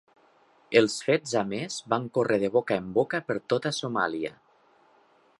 Els fets a més van córrer de boca en boca per tota Somàlia.